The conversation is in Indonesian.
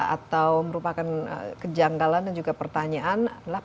atau merupakan kejanggalan dan juga pertanyaan adalah